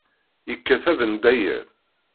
Yekka-t abendayer.